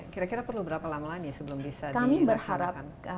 kira kira perlu berapa lama lagi sebelum bisa diperhadapkan